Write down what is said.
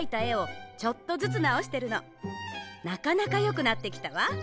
なかなかよくなってきたわ。